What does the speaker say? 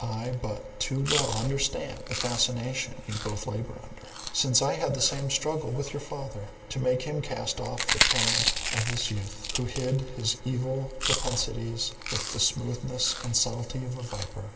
I but too well understand the fascination you both labour under; since I had the same struggle with your father, to make him cast off the parent of this youth, who hid his evil propensities with the smoothness and subtlety of a viper.